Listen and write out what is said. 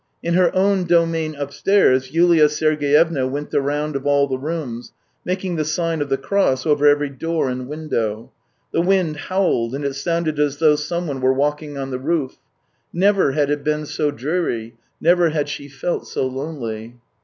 In her own domain upstairs Yulia Sergeyevna went the round of all the rooms, making the sign of the cross over every door and window; the wind THREE YEARS 203 howled, and it sounded as though someone were walking on the roof. Never had it been so dreary, never had she felt so lonely.